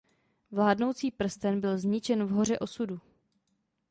Vládnoucí prsten byl zničen v Hoře Osudu.